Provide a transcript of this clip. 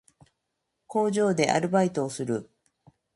工場でアルバイトをする